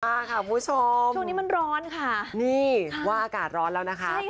มาค่ะคุณผู้ชมช่วงนี้มันร้อนค่ะนี่ว่าอากาศร้อนแล้วนะคะ